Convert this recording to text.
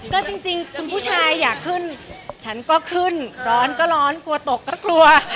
ก็จริงคุณผู้ชายอยากขึ้นฉันก็ขึ้นร้อนก็ร้อนกลัวตกก็กลัว